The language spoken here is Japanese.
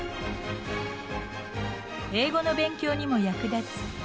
英語の勉強にも役立つ